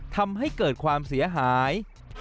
ทำให้เกิดความเสียหาย